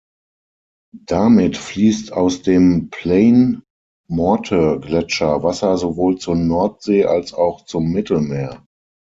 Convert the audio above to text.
Damit fliesst aus dem Plaine-Morte-Gletscher Wasser sowohl zur Nordsee als auch zum Mittelmeer.